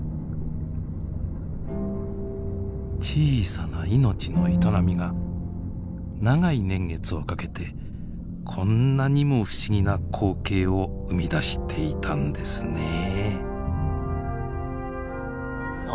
小さな命の営みが長い年月をかけてこんなにも不思議な光景を生み出していたんですねえ。